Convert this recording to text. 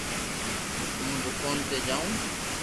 ھون دوڪون تو جاو